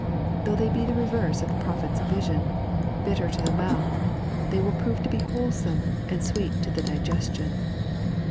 Though they be the reverse of the prophet's vision — bitter to the mouth — they will prove to be wholesome, and sweet to the digestion.